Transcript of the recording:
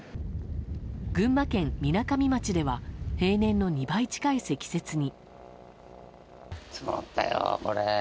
群馬県みなかみ町では平年の２倍近い積雪に。